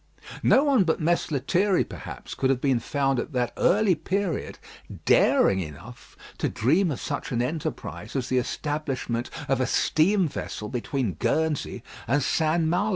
No one but Mess Lethierry, perhaps, could have been found at that early period daring enough to dream of such an enterprise as the establishment of a steam vessel between Guernsey and St. Malo.